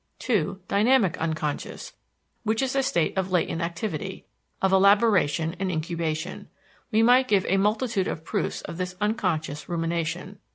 (2) Dynamic unconscious, which is a state of latent activity, of elaboration and incubation. We might give a multitude of proofs of this unconscious rumination.